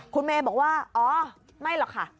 คุณเมย์บอกว่าอ๋อไม่หรอกค่ะ